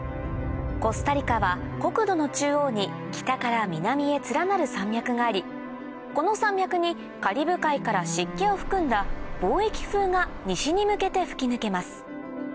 コスタリカは国土の中央に北から南へ連なる山脈がありこの山脈にカリブ海から湿気を含んだ貿易風が西に向けて吹き抜けます